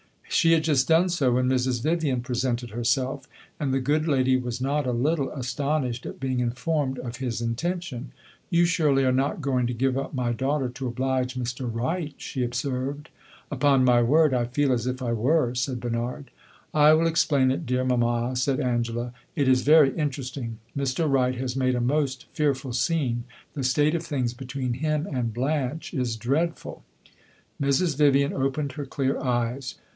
She had just done so when Mrs. Vivian presented herself, and the good lady was not a little astonished at being informed of his intention. "You surely are not going to give up my daughter to oblige Mr. Wright?" she observed. "Upon my word, I feel as if I were!" said Bernard. "I will explain it, dear mamma," said Angela. "It is very interesting. Mr. Wright has made a most fearful scene; the state of things between him and Blanche is dreadful." Mrs. Vivian opened her clear eyes.